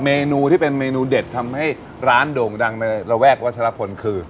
เมนูที่เป็นเมนูเด็ดทำให้ร้านโด่งดังในระแวกวัชลพลคือ